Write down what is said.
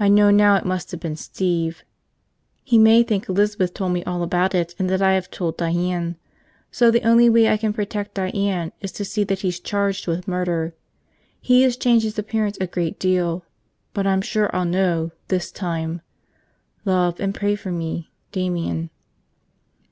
I know now it must have been Steve. He may think Elizabeth told me all about it, and that I have told Diane, so the only way I can protect Diane is to see that he's charged with murder. He has changed his appearance a great deal, but I'm sure I'll know, this time. Love, and pray for me. Damian."